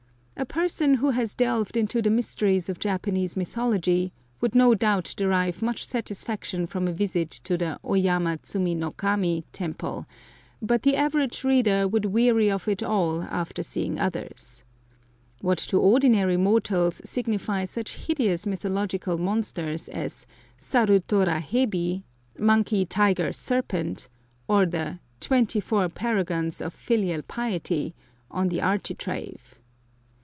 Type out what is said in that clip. A person who has delved into the mysteries of Japanese mythology would no doubt derive much satisfaction from a visit to the Oyama tsumi uo Kami temple, but the average reader would weary of it all after seeing others. What to ordinary mortals signify such hideous mythological monsters as saru tora hebi (monkey tiger serpent), or the "Twenty four Paragons of Filial Piety" on the architrave.